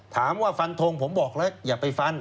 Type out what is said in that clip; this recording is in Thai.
ถามว่าฟันทงผมบอกละอย่าไปฟัน